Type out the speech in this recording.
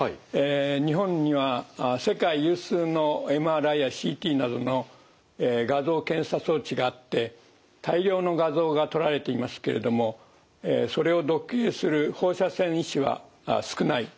日本には世界有数のＭＲＩやＣＴなどの画像検査装置があって大量の画像が撮られていますけれどもそれを読影する放射線医師は少ない。